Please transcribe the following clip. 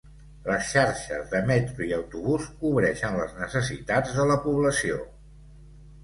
Les xarxes de metro i autobús cobreixen les necessitats de la població.